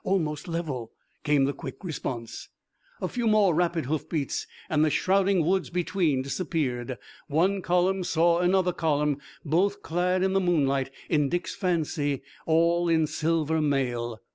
"Almost level," came the quick response. A few more rapid hoofbeats and the shrouding woods between disappeared. One column saw another column, both clad in the moonlight, in Dick's fancy, all in silver mail.